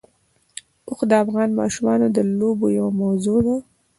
اوښ د افغان ماشومانو د لوبو یوه موضوع ده.